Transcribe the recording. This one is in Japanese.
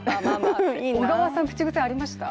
小川さん、口癖ありますか？